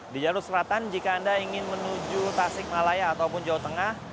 di jalur selatan jika anda ingin menuju tasik malaya ataupun jawa tengah